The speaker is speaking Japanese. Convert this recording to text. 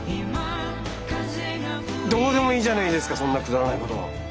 どうでもいいじゃないですかそんなくだらないこと。